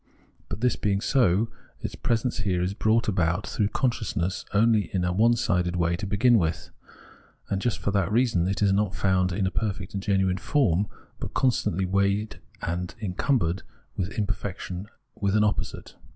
But, this being so, its presence here is brought about through consciousness only in a onesided way to begin with, and just for that reason is not found in a perfect and genuine form, but constantly weighted and en cumbered with imperfection, with an opposite.